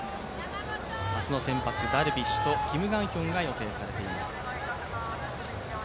明日の先発、ダルビッシュとキム・グァンヒョンが予定されています。